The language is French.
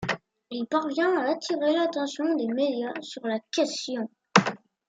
Il parvient à attirer l'attention des médias sur la question.